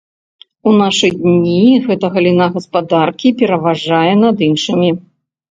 У нашы дні гэта галіна гаспадаркі пераважае над іншымі.